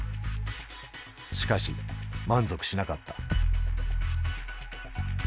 しかし満足しなかった。